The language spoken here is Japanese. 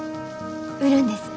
売るんです。